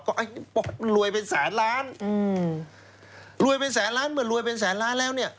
ก็ไอ้มันรวยเป็นแสนล้านอืมรวยเป็นแสนล้านเมื่อรวยเป็นแสนล้านแล้วเนี่ย